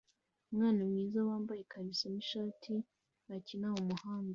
Umwana mwiza wambaye ikariso nishati akina mumwanda